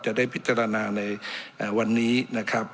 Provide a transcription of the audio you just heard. จะได้พิจารณาในวันนี้นะครับ